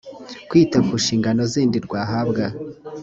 kwita ku nshingano zindi rwahabwa